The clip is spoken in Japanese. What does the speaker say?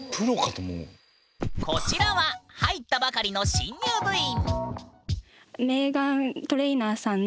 こちらは入ったばかりの新入部員。